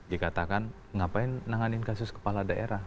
dikatakan ngapain menanganin kasus kepala daerah